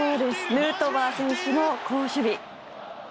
ヌートバー選手の好守備。